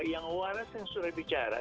yang waras yang sudah bicara